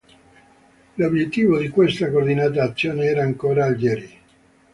L'obiettivo di questa coordinata azione era ancora Algeri.